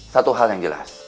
satu hal yang jelas